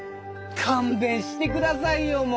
勘弁してくださいよ！